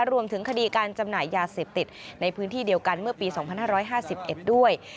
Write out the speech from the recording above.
รวมถึงคดีการจำหน่ายยาเสพติดในพื้นที่เดียวกันเมื่อปี๒๕๕๑ด้วย